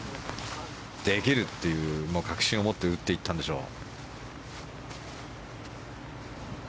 できるという確信を持って打っていったんでしょう。